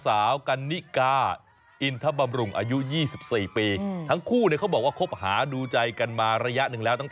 ทุกวันนี้เข่าด้านมาแล้ว